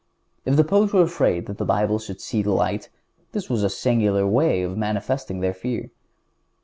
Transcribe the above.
If the Popes were afraid that the Bible should see the light, this was a singular way of manifesting their fear.